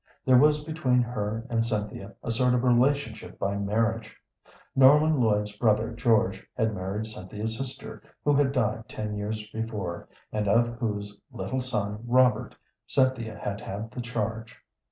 There was between her and Cynthia a sort of relationship by marriage. Norman Lloyd's brother George had married Cynthia's sister, who had died ten years before, and of whose little son, Robert, Cynthia had had the charge.